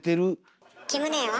キム姉は？